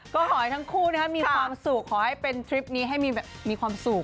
ก็ขอให้ทั้งคู่มีความสุขขอให้เป็นทริปนี้ให้มีความสุข